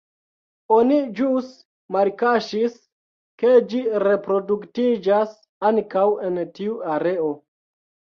Oni ĵus malkaŝis, ke ĝi reproduktiĝas ankaŭ en tiu areo.